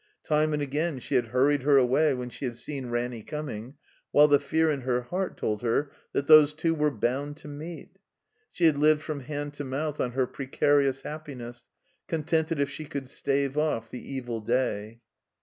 Time and again she had hurried her away when she had seen Ranny coming, while the fear in her heart told her that those two were botmd to meet. She had lived from hand to mouth on her precarious happiness, contented if she cotdd stave off the evil day.